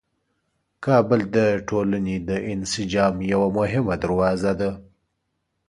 کابل د ټولنې د انسجام یوه مهمه دروازه ده.